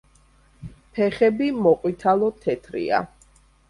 ფეხები მოყვითალო თეთრია.